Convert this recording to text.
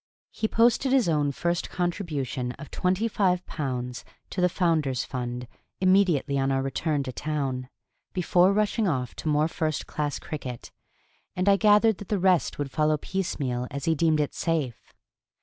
He posted his own first contribution of twenty five pounds to the Founder's Fund immediately on our return to town, before rushing off to more first class cricket, and I gathered that the rest would follow piecemeal as he deemed it safe.